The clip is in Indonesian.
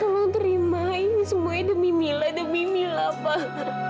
tolong terima ini semuanya demi mila demi mila pak